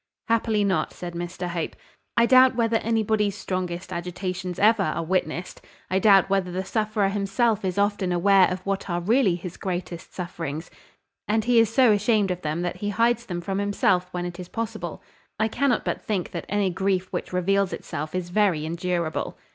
"Happily not," said Mr Hope. "I doubt whether anybody's strongest agitations ever are witnessed. I doubt whether the sufferer himself is often aware of what are really his greatest sufferings; and he is so ashamed of them that he hides them from himself when it is possible. I cannot but think that any grief which reveals itself is very endurable."